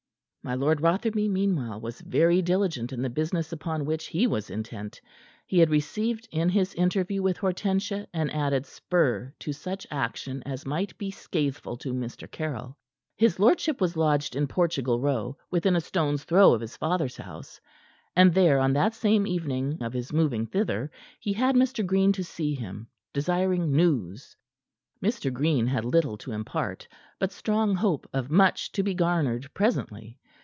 My Lord Rotherby, meanwhile, was very diligent in the business upon which he was intent. He had received in his interview with Hortensia an added spur to such action as might be scatheful to Mr. Caryll. His lordship was lodged in Portugal Row, within a stone's throw of his father's house, and there, on that same evening of his moving thither, he had Mr. Green to see him, desiring news. Mr. Green had little to impart, but strong hope of much to be garnered presently.